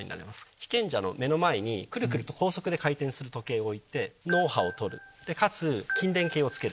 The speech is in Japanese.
被験者の目の前にクルクルと高速で回転する時計を置いて脳波を取るかつ筋電計を付ける。